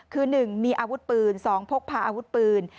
คือหนึ่งมีอาวุธปืนสองพกพาอาวุธปืน